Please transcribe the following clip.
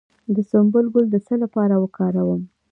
د سنبل ګل د څه لپاره وکاروم؟